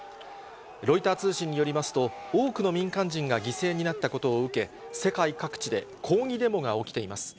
ロイター通信によりますと、多くの民間人が犠牲になったことを受け、世界各地で抗議デモが起きています。